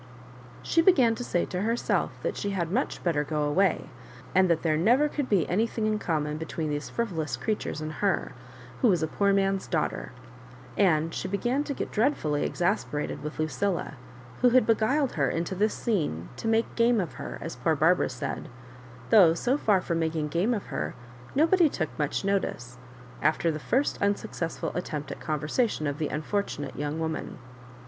She began to say to herself that she had much better go away, and that there never could be anything in com mon between those frivolous creatures and her, who was a poor man's daughter ; and she began Digitized by VjOOQIC MISS MABJOBIBAKES. 33 to get dreadfully exasperated with LuciUa, who bad beguiled her into this scene to make game of her, as poor Barbara said ; though, so far from making game of her, nobody took much notice, after the first unsuccessful attempt at conversa tion, of the unfortunate young woman.